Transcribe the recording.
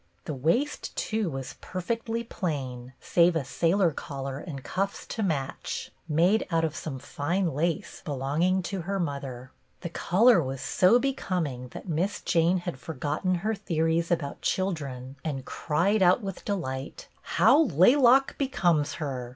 The waist too was perfectly plain, save a sailor collar and cuffs to match, made out of some fine lace belonging to her mother. The color was so becoming that Miss Jane had forgotten her theories about children and cried out with delight, " How laylock becomes her